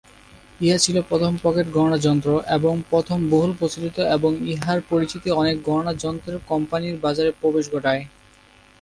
ইহা ছিল প্রথম পকেট গণনা যন্ত্র, এবং প্রথম বহুল প্রচলিত এবং ইহার পরিচিতি অনেক গণনা যন্ত্রের কোম্পানির বাজারে প্রবেশ ঘটায়।